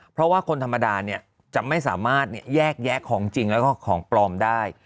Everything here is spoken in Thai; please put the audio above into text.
เพราะว่าคนธรรมดาเนี่ยจะไม่สามารถแยกแยะของจริงแล้วก็ของปลอมได้